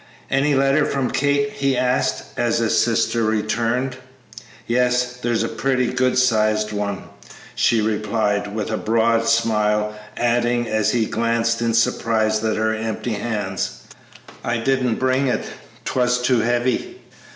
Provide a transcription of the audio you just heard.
"Any letter from Kate?" he asked, as his sister returned. "Yes, there's a pretty good sized one," she replied, with a broad smile, adding, as he glanced in surprise at her empty hands, "I didn't bring it; 'twas too heavy!"